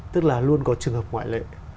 tức là luôn có trường hợp ngoại lệ